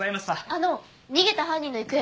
あの逃げた犯人の行方は？